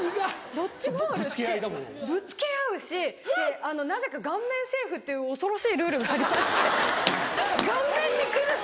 ドッジボールってぶつけ合うしなぜか顔面セーフっていう恐ろしいルールがありまして顔面に来るし。